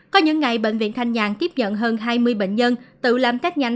có những ngày bệnh viện thanh nhang tiếp nhận hơn hai mươi bệnh nhân tự làm tết nhanh